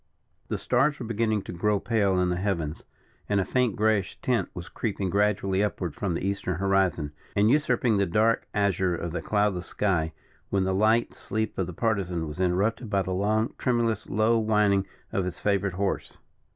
The stars were beginning to grow pale in the heavens, and a faint greyish tint was creeping gradually upward from the Eastern horizon, and usurping the dark azure of the cloudless sky, when the light sleep of the Partisan was interrupted by the long, tremulous, low, whining of his favourite horse.